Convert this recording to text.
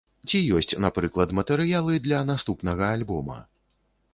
Ці ёсць, напрыклад, матэрыялы для наступнага альбома?